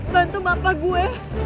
bantu bapak gue